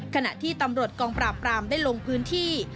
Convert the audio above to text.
ขณะที่ตำรวจกองปราบปรามได้ลงพื้นที่